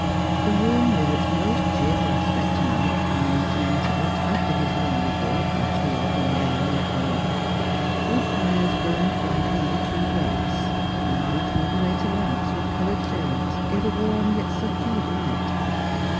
The room wore its most cheerful aspect to night when Morton entered it, after his lonely walk by field, and lane, and common. Wood fires burned brightly in the two grates. Large moderator lamps, with coloured shades, gave a warm, yet subdued light.